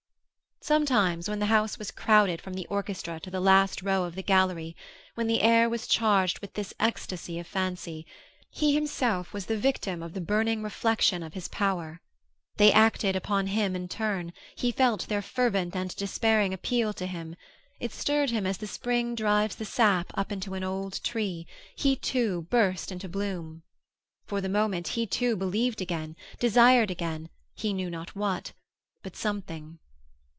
Sometimes, when the house was crowded from the orchestra to the last row of the gallery, when the air was charged with this ecstasy of fancy, he himself was the victim of the burning reflection of his power. They acted upon him in turn; he felt their fervent and despairing appeal to him; it stirred him as the spring drives the sap up into an old tree; he, too, burst into bloom. For the moment he, too, believed again, desired again, he knew not what, but something.